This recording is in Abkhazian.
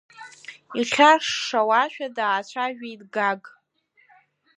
Ихьаршшауашәа даацәажәеит Гаг.